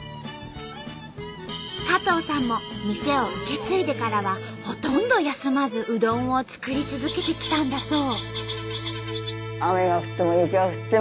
加藤さんも店を受け継いでからはほとんど休まずうどんを作り続けてきたんだそう。